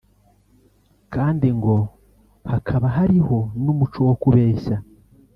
kandi ngo hakaba hariho n’umuco wo kubeshya”